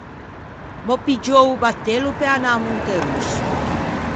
M'ò piggiou o battello pe anâ à Monterosso.